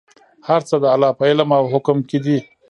هر څه د الله په علم او حکم کې دي.